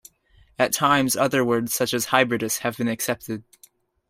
At times other words such as "hybridous" have been accepted.